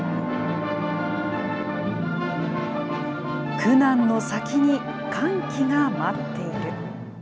苦難の先に歓喜が待っている。